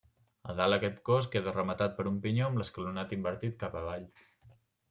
A dalt aquest cos queda rematat per un pinyó amb l'escalonat invertit cap avall.